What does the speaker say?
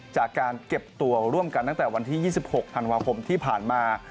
จากการเก็บตัวร่วมกันตั้งแต่วันที่๒๖ธันวาคมที่ผ่านมา